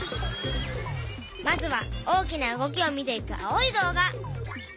まずは大きな動きを見ていく青い動画。